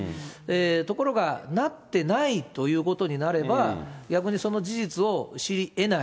ところが、なってないということになれば、逆にその事実を知りえない。